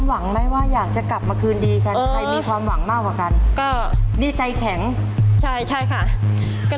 ถ้าเบียบจากฝืนสู้ก็คงสู้ของไม่ได้แล้วครับ